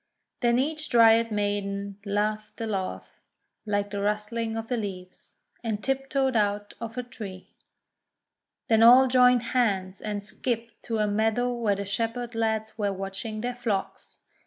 Then each Dryad Maiden laughed a laugh like the rustling of the leaves, and tiptoed out of her tree. Then all joined hands, and skipped to a meadow where the Shepherd lads were watching their flocks.